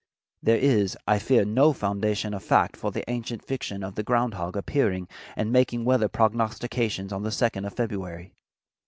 There is, I fear, no foundation of fact for the ancient fiction of the ground hog appearing and making weather prognostications on the second of February.